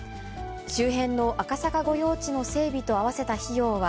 周辺の赤坂御用地の整備と合わせた費用は、